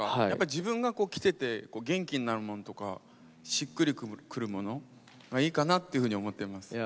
自分が着ていて元気になるものとかしっくりくるものがいいかなっていうふうに思っています。